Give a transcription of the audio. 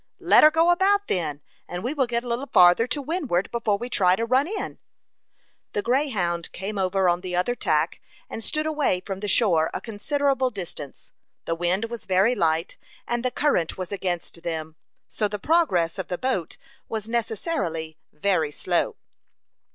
"Let her go about, then, and we will get a little farther to windward before we try to run in." The Greyhound came over on the other tack, and stood away from the shore a considerable distance. The wind was very light, and the current was against them; so the progress of the boat was necessarily very slow.